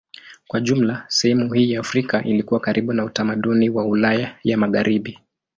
Kwa jumla sehemu hii ya Afrika ilikuwa karibu na utamaduni wa Ulaya ya Magharibi.